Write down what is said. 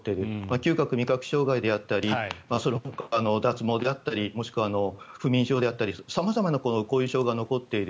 嗅覚・味覚障害であったり脱毛だったりもしくは不眠症であったり様々な後遺症が残っている。